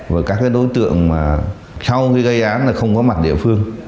và các đối tượng mà sau khi gây án là không có mặt địa phương